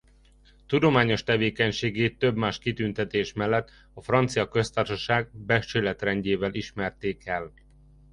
Tudományos tevékenységét több más kitüntetés mellett a Francia Köztársaság Becsületrendjével ismerték el.